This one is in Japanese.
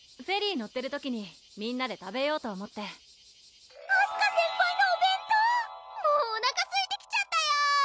乗ってる時にみんなで食べようと思ってあすか先輩のお弁当もうおなかすいてきちゃったよ